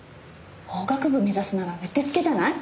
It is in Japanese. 法学部目指すならうってつけじゃない？